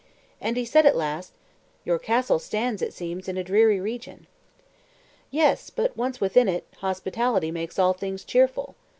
And he said at last: "Your castle stands, it seems, in a dreary region." "Yes; but once within it, hospitality makes all things cheerful.